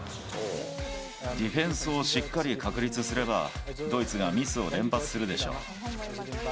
ディフェンスをしっかり確立すれば、ドイツがミスを連発するでしょう。